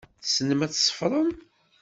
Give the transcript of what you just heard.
Tessnem ad tṣeffrem?